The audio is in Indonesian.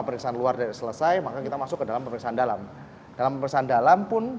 pemeriksaan luar dari selesai maka kita masuk ke dalam pemeriksaan dalam dalam pemeriksaan dalam pun